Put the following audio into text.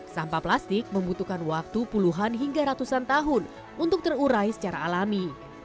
sampah plastik membutuhkan waktu puluhan hingga ratusan tahun untuk terurai secara alami